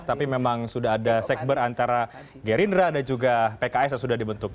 tapi memang sudah ada sekber antara gerindra dan juga pks yang sudah dibentuk